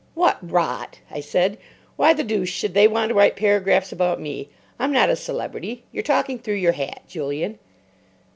"What rot!" I said. "Why the deuce should they want to write paragraphs about me? I'm not a celebrity. You're talking through your hat, Julian."